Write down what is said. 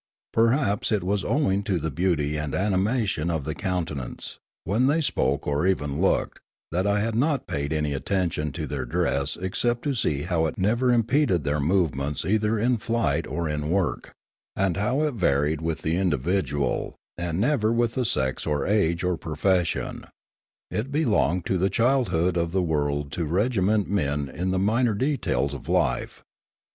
Perhaps it was owing to the beauty and animation of the countenance, when they spoke or even looked, that I had not paid any attention to their dress except to see how it never im peded their movements either in flight or in work, and how it varied with the individual, and never with the sex or age or profession; it belonged to the childhood of the world to regiment men in the minor details of life.